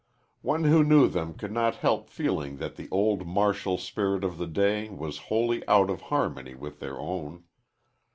One who knew them could not help feeling that the old martial spirit of the day was wholly out of harmony with their own.